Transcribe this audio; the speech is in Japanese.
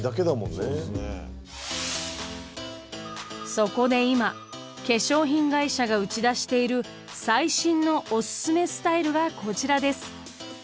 そこで今化粧品会社が打ち出している最新のオススメスタイルがこちらです。